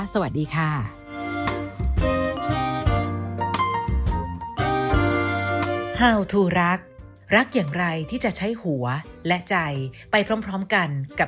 สวัสดีค่ะ